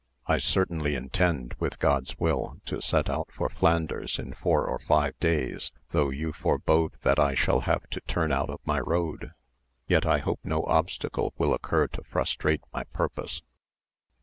I certainly intend, with God's will, to set out for Flanders in four or five days, though you forebode that I shall have to turn out of my road; yet I hope no obstacle will occur to frustrate my purpose."